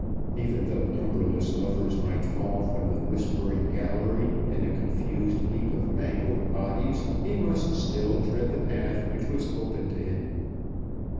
Even though numberless lovers might fall from the Whispering Gallery in a confused heap of mangled bodies, he must still tread the path which was open to him.